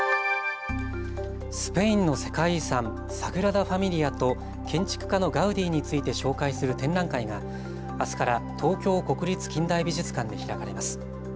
スペインの世界遺産、サグラダ・ファミリアと建築家のガウディについて紹介する展覧会が、あすから東京国立近代美術館で開かれます。